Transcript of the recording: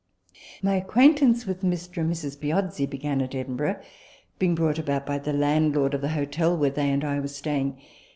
My acquaintance with Mr. and Mrs. Piozzi began at Edinburgh, being brought about by the landlord of the hotel where they and I were staying.